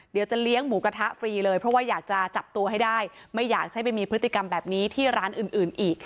เดี๋ยวจะเลี้ยงหมูกระทะฟรีเลยเพราะว่าอยากจะจับตัวให้ได้ไม่อยากให้ไปมีพฤติกรรมแบบนี้ที่ร้านอื่นอื่นอีก